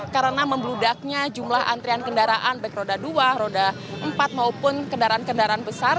karena membludaknya jumlah antrian kendaraan baik roda dua roda empat maupun kendaraan kendaraan besar